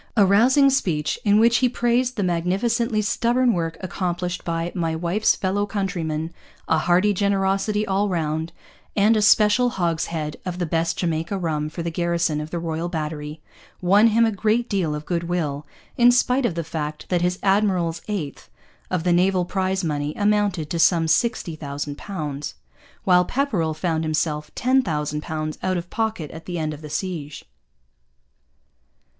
A rousing speech, in which he praised the magnificently stubborn work accomplished by 'my wife's fellow countrymen,' a hearty generosity all round, and a special hogshead of the best Jamaica rum for the garrison of the Royal Battery, won him a great deal of goodwill, in spite of the fact that his 'Admiral's eighth' of the naval prize money amounted to some sixty thousand pounds, while Pepperrell found himself ten thousand pounds out of pocket at the end of the siege.